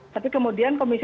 tapi kemudian komisi delapan